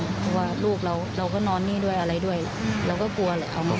เพราะว่าลูกเราเราก็นอนนี่ด้วยอะไรด้วยเราก็กลัวแหละ